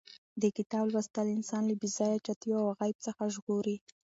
د کتاب لوستل انسان له بې ځایه چتیاو او غیبت څخه ژغوري.